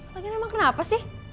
emangnya kenapa sih